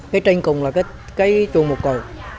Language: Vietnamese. cái trên cùng là cái chuồng một cầu